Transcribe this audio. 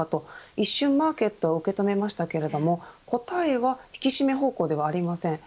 一瞬マーケットは受け止めましたけど答えは引き締め方向ではありません。